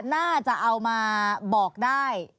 น่าจะเอามาบอกได้